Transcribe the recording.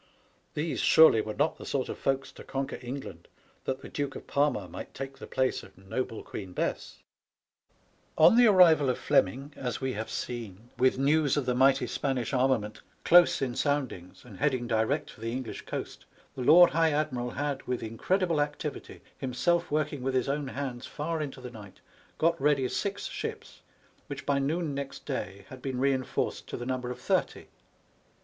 These, surely, were not the sort of folks to conquer England, that the Duke of Parma might take the place of noble Queen Bess ! On the arrival of Fleming, as we have seen, with 20 802 SPANISH ARMADA. news of the mighty Spanish armament close in sound ings and heading direot for the English coast, the Lord High Admiral had, with incredible activity, himself working with his own hands far into the night, got ready six ships, which, by noon next day, had been reinforced to the number of thirty.